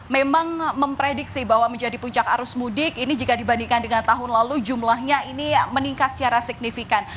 memang memprediksi bahwa menjadi puncak arus mudik ini jika dibandingkan dengan tahun lalu jumlahnya ini meningkat secara signifikan